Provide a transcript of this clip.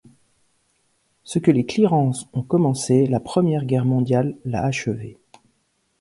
Ce que les Clearances ont commencé, la Première Guerre mondiale l'a achevé.